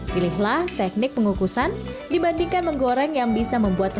pilihlah teknik pengukusan dibandingkan menggoreng yang bisa membuat